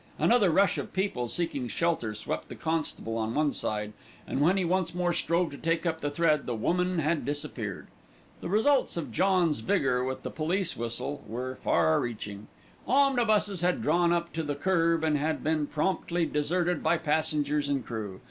Another rush of people seeking shelter swept the constable on one side, and when he once more strove to take up the thread, the woman had disappeared. The results of John's vigour with the police whistle were far reaching. Omnibuses had drawn up to the kerb and had been promptly deserted by passengers and crew.